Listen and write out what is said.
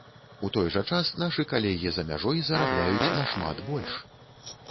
У той жа час, нашы калегі за мяжой зарабляюць нашмат больш.